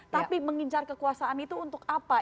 tapi mengincar kekuasaan itu untuk apa